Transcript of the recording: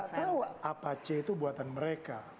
tahu apa c itu buatan mereka